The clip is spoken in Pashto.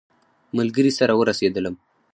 ملګري سره ورسېدلم.